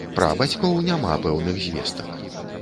Пра бацькоў няма пэўных звестак.